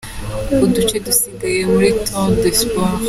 Uduce dusigaye muri Tour de l’Espoir.